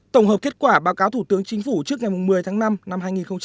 tổng hợp kết quả báo cáo thủ tướng chính phủ trước ngày một mươi tháng năm năm hai nghìn hai mươi